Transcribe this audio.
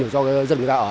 do dân người ta ở